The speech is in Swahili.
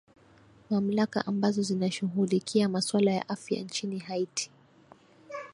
mamlaka ambazo zinashughulikia maswala ya afya nchini haiti